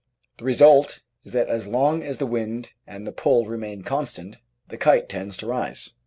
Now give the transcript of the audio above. The result is that as long as the wind and the pull remain constant the kite tends to rise.